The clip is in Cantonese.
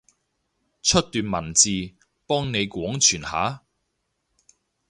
出段文字，幫你廣傳下？